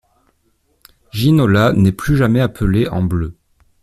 Ginola n'est plus jamais appelé en Bleu.